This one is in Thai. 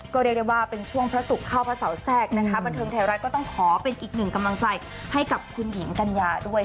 ก็เรียกได้ว่าเป็นช่วงพระศุกร์เข้าพระเสาแทรกนะคะบันเทิงไทยรัฐก็ต้องขอเป็นอีกหนึ่งกำลังใจให้กับคุณหญิงกัญญาด้วย